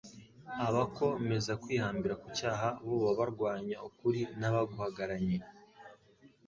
abako meza kwihambira ku cyaha bo baba barwanya ukuri n'abaguhagaranye.